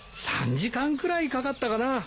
３時間くらいかかったかな。